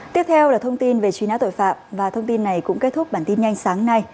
tiếp theo là thông tin về truy nã tội phạm và thông tin này cũng kết thúc bản tin nhanh sáng nay